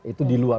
itu di luar